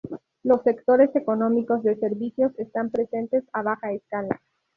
Los sectores económicos de servicios están presentes a baja escala.